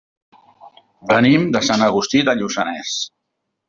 Venim de Sant Agustí de Lluçanès.